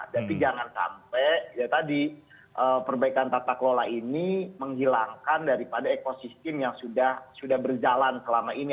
tapi jangan sampai ya tadi perbaikan tata kelola ini menghilangkan daripada ekosistem yang sudah berjalan selama ini